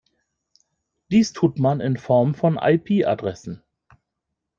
Dies tut man in Form von IP-Adressen.